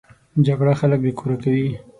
جګړه خلک بې کوره کوي